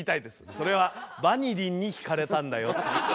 「それはバニリンに引かれたんだよ」。